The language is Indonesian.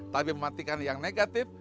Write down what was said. tapi mematikan yang negatif